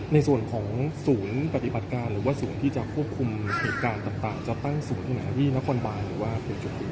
ในส่วนของศูนย์ปฏิบัติการหรือว่าศูนย์ที่จะควบคุมเหตุการณ์ต่างจะตั้งศูนย์ตรงไหนที่นครบานหรือว่าเป็นจุด